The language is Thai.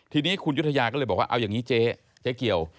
ทีนี้คุณยุธยาก็เลยบอกว่าเอาอย่างนี้เจ๊เจ๊เกี่ยว